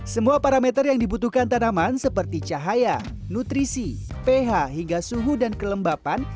semua parameter yang dibutuhkan tanaman seperti cahaya nutrisi ph hingga suhu dan kelembapan